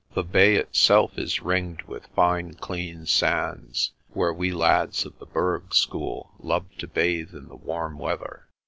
The bay itself is ringed with fine clean sands, where we lads of the burgh school loved to bathe in the warm weather.